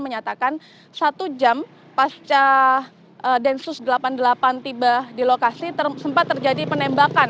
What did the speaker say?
menyatakan satu jam pasca densus delapan puluh delapan tiba di lokasi sempat terjadi penembakan